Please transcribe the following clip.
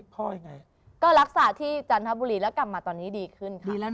เพราะลักษาที่จันทบุรีแล้วกลับมาตอนนี้ดีขึ้นค่ะ